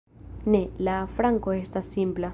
Ne, la afranko estas simpla.